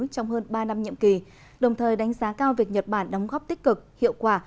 trong hơn ba năm nhiệm kỳ đồng thời đánh giá cao việc nhật bản đóng góp tích cực hiệu quả